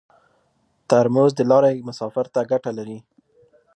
ترموز د لارې مسافر ته ګټه لري.